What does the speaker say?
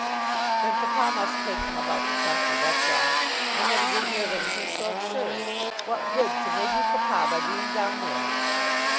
"Then papa must take them about the country, that's all. I never did hear of anything so absurd. What good can they do papa by being down there?"